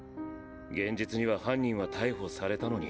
現実には犯人は逮捕されたのに。